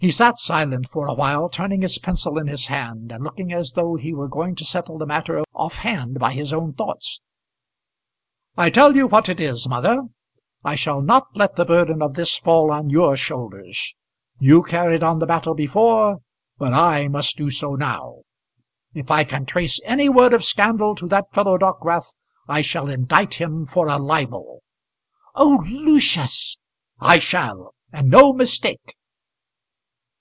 He sat silent for a while, turning his pencil in his hand, and looking as though he were going to settle the matter off hand by his own thoughts. "I tell you what it is, mother; I shall not let the burden of this fall on your shoulders. You carried on the battle before, but I must do so now. If I can trace any word of scandal to that fellow Dockwrath, I shall indict him for a libel." "Oh, Lucius!" "I shall, and no mistake!"